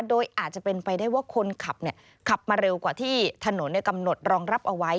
โดยอาจจะเป็นไปได้ว่าคนขับขับมาเร็วกว่าที่ถนนกำหนดรองรับเอาไว้